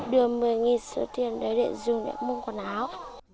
đưa một mươi sữa tiền để dùng để mua quần áo